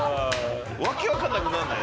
訳わからなくならない？